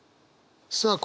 さあ